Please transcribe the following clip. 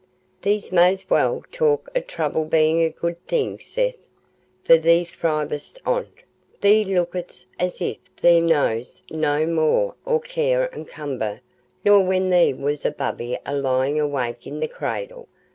"Thee may'st well talk o' trouble bein' a good thing, Seth, for thee thriv'st on't. Thee look'st as if thee know'dst no more o' care an' cumber nor when thee wast a babby a lyin' awake i' th' cradle.